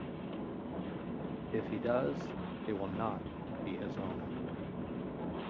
If he does, it will not be his own.